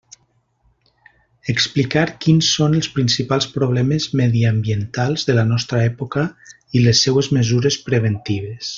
Explicar quins són els principals problemes mediambientals de la nostra època i les seues mesures preventives.